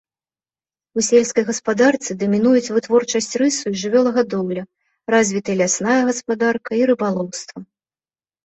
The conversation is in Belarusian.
У сельскай гаспадарцы дамінуюць вытворчасць рысу і жывёлагадоўля, развіты лясная гаспадарка і рыбалоўства.